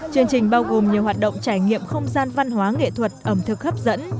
chương trình bao gồm nhiều hoạt động trải nghiệm không gian văn hóa nghệ thuật ẩm thực hấp dẫn